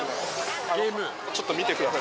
ちょっと見てください